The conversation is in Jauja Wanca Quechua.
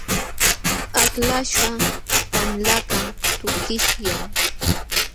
Aklaśhqa wamlakaq tukishllam.